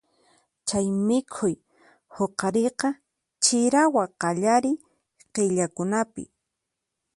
Chay mikhuy huqariyqa chirawa qallariy killakunapi.